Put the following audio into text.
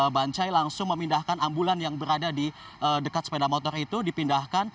bancai langsung memindahkan ambulan yang berada di dekat sepeda motor itu dipindahkan